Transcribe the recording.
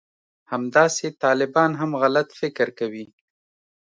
همداسې طالبان هم غلط فکر کوي